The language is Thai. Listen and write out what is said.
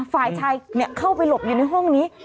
ฝ่ายชายเนี่ยเข้าไปหลบอยู่ในห้มนี้